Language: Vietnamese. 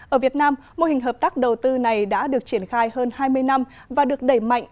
ở việt nam mô hình hợp tác đầu tư này đã được triển khai hơn hai mươi năm và được đẩy mạnh